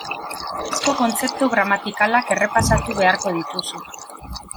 Latinezko kontzeptu gramatikalak errepasatu beharko dituzu.